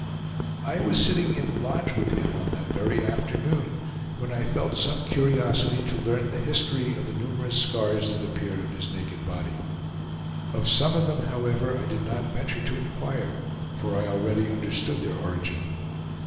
I was sitting in the lodge with him on that very afternoon, when I felt some curiosity to learn the history of the numerous scars that appeared on his naked body. Of some of them, however, I did not venture to inquire, for I already understood their origin.